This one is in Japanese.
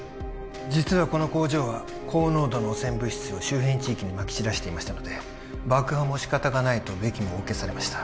実はこの工場は高濃度の汚染物質を周辺地域にまき散らしていましたので爆破も仕方がないとベキもお受けされました